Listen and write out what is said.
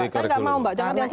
saya enggak mau mbak